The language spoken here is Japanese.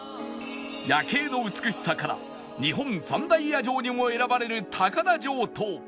夜景の美しさから日本三大夜城にも選ばれる高田城と